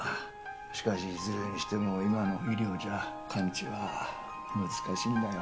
しかしいずれにしても今の医療じゃ完治は難しいんだよ